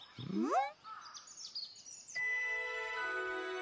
うん！